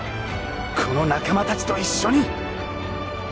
この仲間達と一緒に！